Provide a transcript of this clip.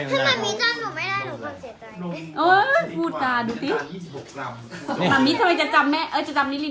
กินทุกอย่างเลย